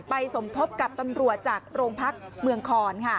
สมทบกับตำรวจจากโรงพักเมืองคอน